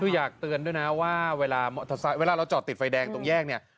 คืออยากเตือนด้วยนะว่าเวลาเราจอดติดไฟแดงตรงแยกเนี่ย